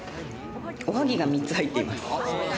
おはぎが３つ入っています。